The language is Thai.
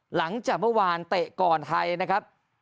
หลังจากเมื่อวานเตะก่อนไทยนะครับ